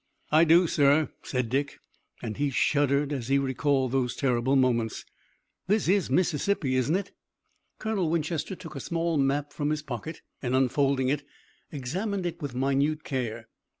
"I do, sir," said Dick and he shuddered as he recalled those terrible moments. "This is Mississippi, isn't it?" Colonel Winchester took a small map from his pocket, and, unfolding it, examined it with minute care.